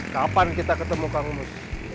kapan kita ketemu kang umus